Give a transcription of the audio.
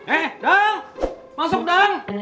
ee dang masuk dang